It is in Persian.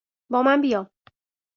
با من بیا!